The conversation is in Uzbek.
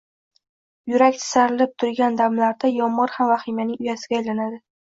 yurak tisarilib turgan damlarda yomgʻir ham vahimaning uyasiga aylanadi